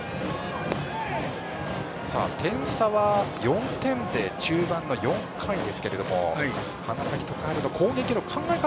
点差は４点で中盤の４回ですが花咲徳栄の攻撃の考え方